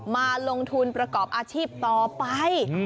มาลงทุนประกอบอาชีพต่อไป